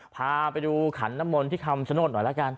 พาไปดูขันน้ำมนที่คัมสโนธหน่อยล่ะกัน